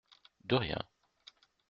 De rien !